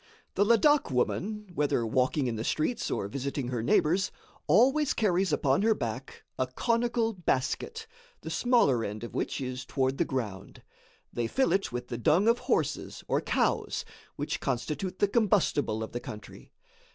The Ladak woman, whether walking in the streets or visiting her neighbors, always carries upon her back a conical basket, the smaller end of which is toward the ground. They fill it with the dung of horses or cows, which constitute the combustible of the country.